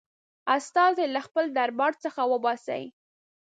استازی له خپل دربار څخه وباسي.